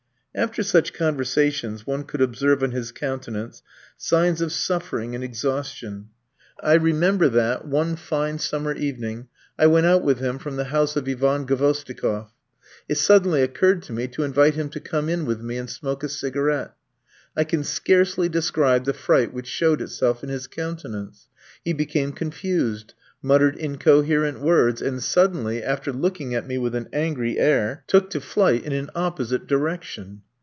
After such conversations one could observe on his countenance signs of suffering and exhaustion. I remember that, one fine summer evening, I went out with him from the house of Ivan Gvosdikof. It suddenly occurred to me to invite him to come in with me and smoke a cigarette. I can scarcely describe the fright which showed itself in his countenance. He became confused, muttered incoherent words, and suddenly, after looking at me with an angry air, took to flight in an opposite direction.